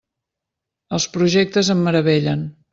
Els projectes em meravellen.